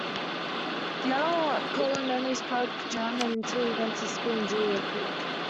The young Colin only spoke German until he went to school in Julia Creek.